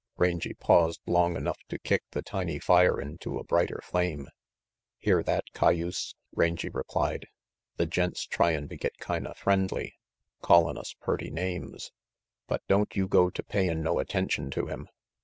Rangy paused long enough to kick the tiny fire into a brighter flame. " Hear that, cayuse? " Rangy replied. " The gent's tryin' to get kinda friendly, callin' us purty names, but don't you go to pay in' no attention to him."